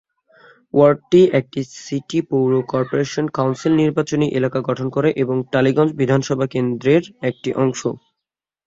ওয়ার্ডটি একটি সিটি পৌর corporation council নির্বাচনী এলাকা গঠন করে এবং টালিগঞ্জ বিধানসভা কেন্দ্রর একটি অংশ।